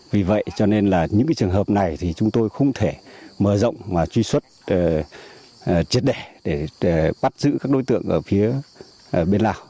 vì vậy cho nên là những trường hợp này thì chúng tôi không thể mở rộng mà truy xuất triệt đẻ để bắt giữ các đối tượng ở phía bên lào